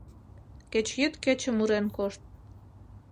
Кеч йӱд-кече мурен кошт.